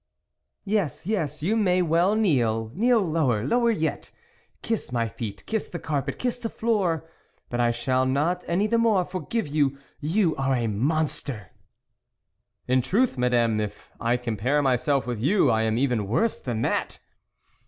" Yes, yes, you may well kneel kneel lower, lower yet kiss my feet, kiss the carpet, kiss the floor, but I shall not any the more forgive you ... you are a monster !"" In truth, Madame, if I compare my self with you, I am even worse than that